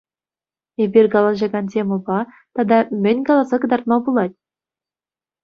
Эпир калаҫакан темӑпа тата мӗн каласа кӑтартма пулать?